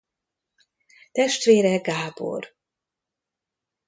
Testvére Gábor.